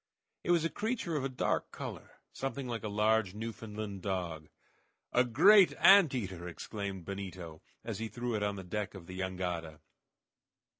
It was a creature of a dark color, something like a large Newfoundland dog. "A great ant eater!" exclaimed Benito, as he threw it on the deck of the jangada.